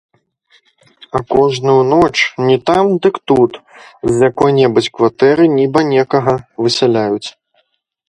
А кожную ноч, не там дык тут, з якой-небудзь кватэры нібы некага высяляюць.